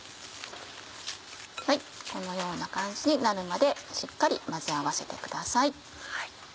このような感じになるまでしっかり混ぜ合わせてください。